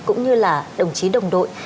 cũng như là đồng chí đồng đội